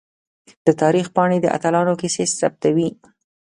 د تاریخ پاڼې د اتلانو کیسې ثبتوي.